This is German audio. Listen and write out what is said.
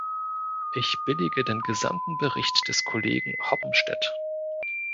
Ich billige den gesamten Bericht des Kollegen Hoppenstedt.